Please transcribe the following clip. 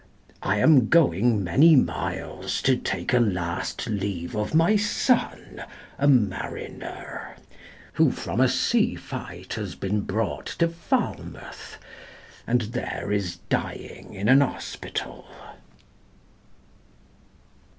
I am going many miles to take A last leave of my son, a mariner, Who from a sea fight has been brought to Falmouth, And there is dying in an hospital."